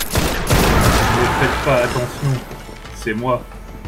Ne faites pas attention… c’est moi…